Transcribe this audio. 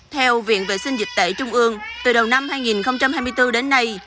theo viện vệ sinh dịch tễ trung ương từ đầu năm hai nghìn hai mươi bốn đến nay